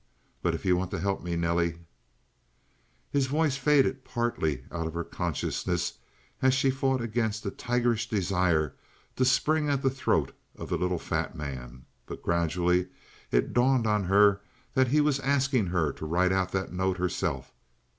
But if you want to help me, Nelly " His voice faded partly out of her consciousness as she fought against a tigerish desire to spring at the throat of the little fat man. But gradually it dawned on her that he was asking her to write out that note herself.